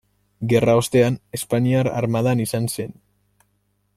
Gerra ostean, espainiar armadan izan zen.